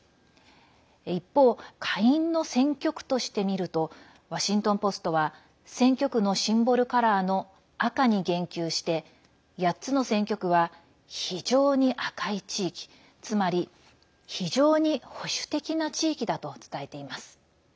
一方、下院の選挙区として見るとワシントン・ポストは選挙区のシンボルカラーの赤に言及して８つの選挙区は非常に赤い地域つまり非常に保守的な地域だと伝えています。